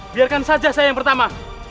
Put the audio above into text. biarkan saja saya yang pertama